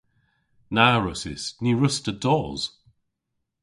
Na wrussys. Ny wruss'ta dos.